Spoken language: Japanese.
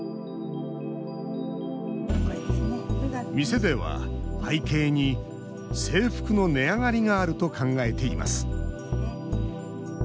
店では、背景に制服の値上がりがあると考えています。